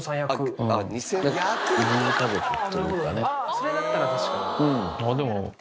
それだったら確かに。